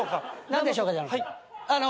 「何でしょうか」じゃ。